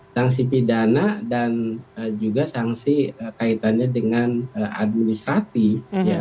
sanksi pidana dan juga sanksi kaitannya dengan administratif